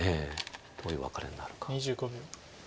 どういうワカレになるか。